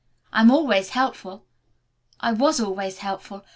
I am always helpful. I was always helpful.